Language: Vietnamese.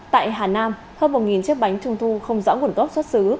tại hà nam hơn một chiếc bánh trung thu không rõ nguồn gốc xuất xứ